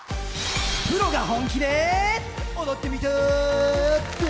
「プロが本気で踊ってみた」